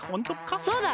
そうだ！